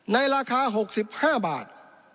ในราคา๖๕บาท